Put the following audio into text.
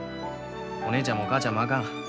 お姉ちゃんもお母ちゃんもあかん。